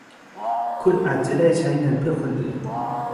คุณอาจจะได้ใช้เงินเพื่อคนอื่น